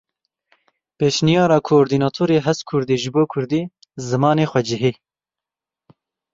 Pêşniyara Kordînatorê HezKurdê ji bo Kurdî: Zimanê xwecihî.